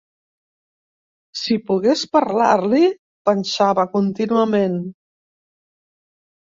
Si pogués parlar-li!- pensava contínuament.